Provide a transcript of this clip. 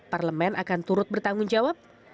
parlemen akan turut bertanggung jawab